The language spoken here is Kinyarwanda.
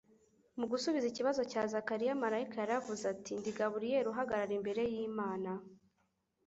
Mu gusubiza ikibazo cya Zakariya, marayika yaravuze ati, ''Ndi Gaburiyeli uhagarara imbere y'Imana,